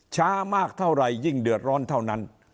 ช้ามากเท่าไหร่ยิ่งเดือดร้อนเท่านั้น